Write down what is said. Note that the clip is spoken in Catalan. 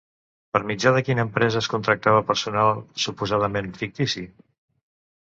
Per mitjà de quina empresa es contractava personal suposadament fictici?